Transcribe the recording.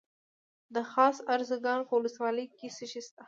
د خاص ارزګان په ولسوالۍ کې څه شی شته؟